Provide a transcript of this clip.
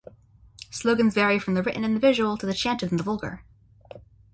Slogans vary from the written and the visual to the chanted and the vulgar.